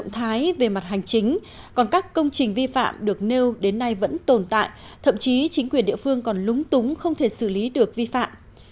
thậm chí chính quyền địa phương còn lúng túng không thể xử lý được vi phạm